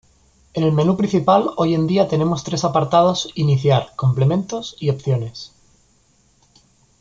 En el menú principal hoy en día tenemos tres apartados iniciar, complementos y opciones.